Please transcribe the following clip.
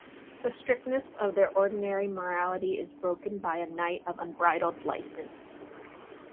The strictness of their ordinary morality is broken by a night of unbridled license.